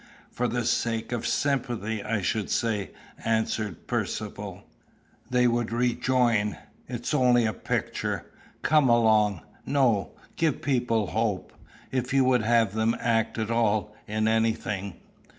"For the sake of sympathy, I should say," answered Percivale. "They would rejoin, 'It is only a picture. Come along.' No; give people hope, if you would have them act at all, in anything."